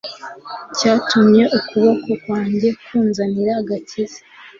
cyatumye ukuboko kwanjye kunzanira agakiza